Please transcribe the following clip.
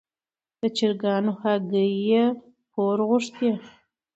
د چرګانو هګۍ یې پور غوښتې.